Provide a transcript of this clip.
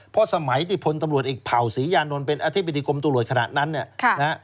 เพราะสมัยที่พลตำรวจอีกเผ่าศรียานลนต์เป็นอธิบดิกรมตรวจขณะหนัน